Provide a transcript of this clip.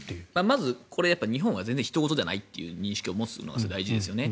まず日本は全然ひと事じゃないという認識を持つのが大事ですよね。